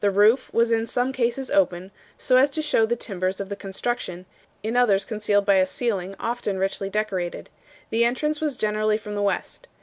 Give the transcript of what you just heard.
roof was in some cases open, so as to shew the timbers of the construction, in others concealed by a ceiling, often richly decorated. The entrance was generally from the west.